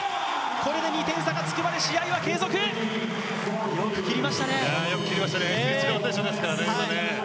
これで２点差がつくまで試合は継続よく切りましたねえ。